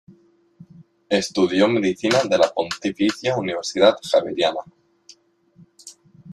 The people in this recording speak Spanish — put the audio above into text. Estudió medicina de la Pontificia Universidad Javeriana.